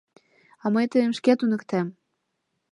— А мый тыйым шке туныктем!